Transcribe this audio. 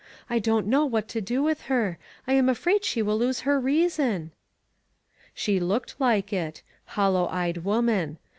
I don't know what to do with her ; I am afraid she will lose her reason." She looked like it — hollow eyed woman.